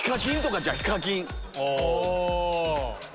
お！